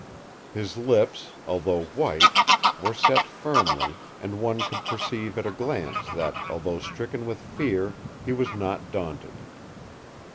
His lips, although white, were set firmly, and one could perceive at a glance that, although stricken with fear, he was not daunted.